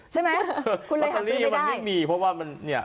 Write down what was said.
ใช่ไหมคุณเลยหาซื้อไม่ได้มันไม่มีเพราะว่ามันเนี่ย